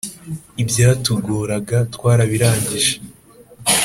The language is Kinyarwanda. ibyatugoraga, twarabirangije